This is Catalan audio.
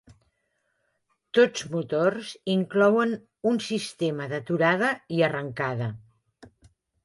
Tots motors inclouen un sistema d'aturada i arrencada.